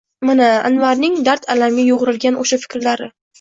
Mana, Anvarning dard-alamga yo’g’rilgan o’sha fikrlari: